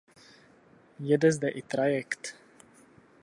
Jede zde i trajekt.